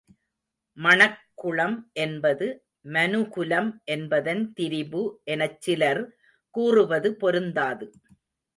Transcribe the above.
மணக்குளம் என்பது மனுகுலம் என்பதன் திரிபு எனச் சிலர் கூறுவது பொருந்தாது.